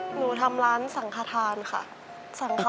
หนูทำร้านสังฆฐานค่ะสังฆภัณฑ์